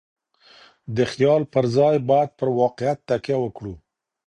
د خيال پر ځای بايد پر واقعيت تکيه وکړو.